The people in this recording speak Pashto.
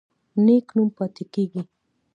نیک نوم پاتې کیږي